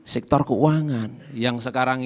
sektor keuangan yang sekarang